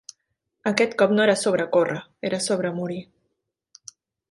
Aquest cop no era sobre córrer, era sobre morir.